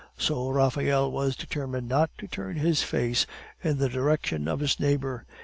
So Raphael was determined not to turn his face in the direction of his neighbor.